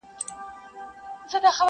بیا پسرلی سو دښتونه شنه سول -